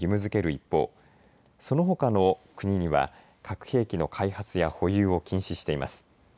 一方そのほかの国には核兵器の開発や保有を禁止しています。